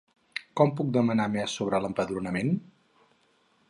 Com puc demanar més sobre l'empadronament?